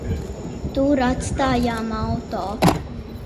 Tur atstājām auto.